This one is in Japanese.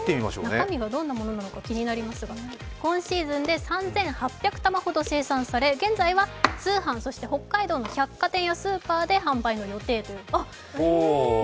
中身がどんなものなのか気になりますが、今シーズンは３８００玉ほど販売され、現在は通販、北海道の百貨店などで販売されます。